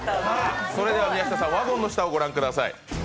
それでは宮下さん、ワゴンの下を御覧ください。